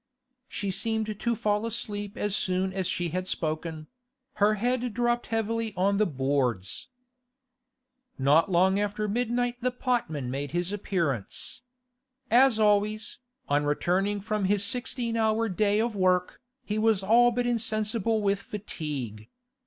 She seemed to fall asleep as soon as she had spoken; her head dropped heavily on the boards. Not long after midnight the potman made his appearance. As always, on returning from his sixteen hour day of work, he was all but insensible with fatigue.